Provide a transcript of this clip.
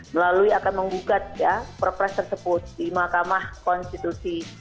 melalui akan menggugat ya perpres tersebut di mahkamah konstitusi